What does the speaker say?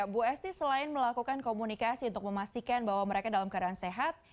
bu esti selain melakukan komunikasi untuk memastikan bahwa mereka dalam keadaan sehat